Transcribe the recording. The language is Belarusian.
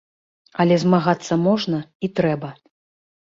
Але змагацца можна і трэба.